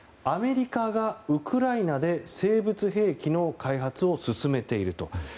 アメリカがウクライナで生物兵器の開発を進めている。